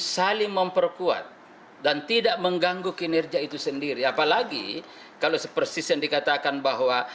saling memperkuat dan tidak mengganggu kinerja itu sendiri apalagi kalau sepersis yang dikatakan bahwa